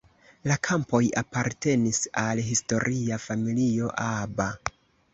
La kampoj apartenis al historia familio Aba.